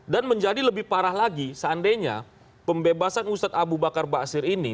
dan menjadi lebih parah lagi seandainya pembebasan ustadz abu bakar bakasir ini